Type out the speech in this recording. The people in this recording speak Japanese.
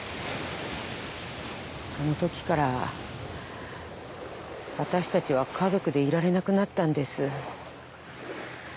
あの時から私たちは家族でいられなくなったんです。